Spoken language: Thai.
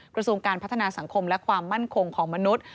กระทรวงการพัฒนาสังคมและความมั่นคงของมนุษย์